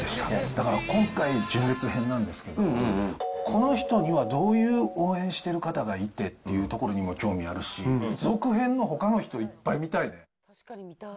だから今回、純烈編なんですけど、この人にはどういう応援してる方がいてっていうところにも興味あるし、続編のほかの人、いっぱい見たい。